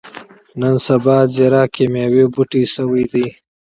نن سبا ځيره کېميا بوټی شوې ده.